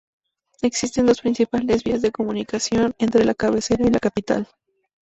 Existen dos principales vías de comunicación entre la cabecera y la capital.